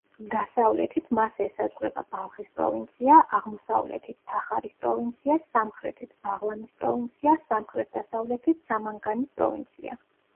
დასავლეთით მას ესაზღვრება ბალხის პროვინცია, აღმოსავლეთით თახარის პროვინცია, სამხრეთით ბაღლანის პროვინცია, სამხრეთ-დასავლეთით სამანგანის პროვინცია.